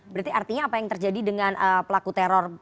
berarti artinya apa yang terjadi dengan pelaku teror bom bunuh diri